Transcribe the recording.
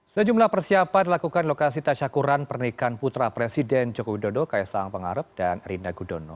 sejumlah persiapan dilakukan di lokasi tasya kuran pernikan putra presiden joko widodo kaisang pengarup dan rinda gudono